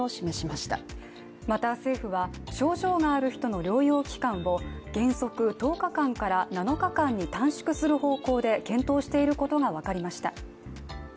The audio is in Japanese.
また、政府は症状がある人の療養期間を原則１０日間から７日間に短縮する方向で検討していることが分かりました。